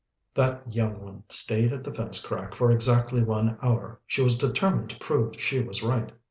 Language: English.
That young one stayed at the fence crack for exactly one hour. She was determined to prove she was right.